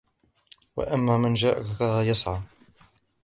وَأَمَّا مَنْ جَاءَكَ يَسْعَى